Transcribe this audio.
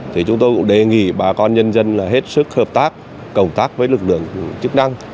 thì chúng tôi cũng đề nghị bà con nhân dân là hết sức hợp tác cộng tác với lực lượng chức năng